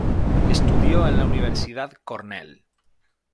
Estudió en la Universidad Cornell.